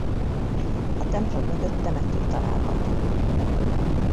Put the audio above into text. A templom mögött temető található.